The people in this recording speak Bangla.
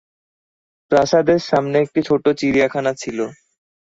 প্রাসাদের সামনে একটি ছোট চিড়িয়াখানা ছিল।